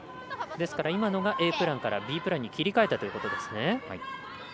ですから今のがＡプランからＢプランに切り替えたということですね。